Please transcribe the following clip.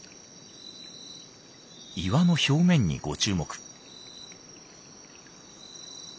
岩の表面にご注目。